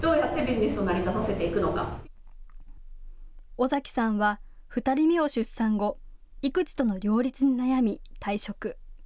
尾崎さんは２人目を出産後、育児との両立に悩み退職。